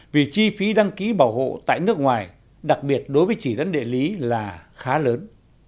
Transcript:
vì chi phí đăng ký bảo hộ tại nước ngoài đặc biệt đối với chỉ dẫn địa lý là khá lớn